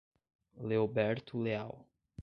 Leoberto Leal